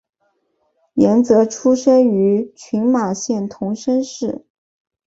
岩泽出生于群马县桐生市。